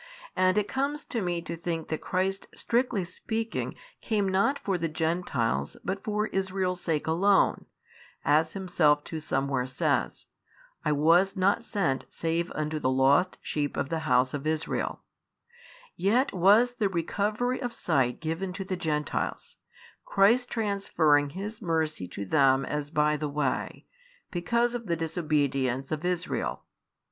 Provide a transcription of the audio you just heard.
And it comes to me to think that Christ strictly speaking came not for the Gentiles but for Israel's sake alone (as Himself too somewhere says, I was not sent save unto the lost sheep of the house of Israel), yet was the recovery of sight given to the Gentiles, Christ transferring His Mercy to them as by the way, because of the disobedience of Israel.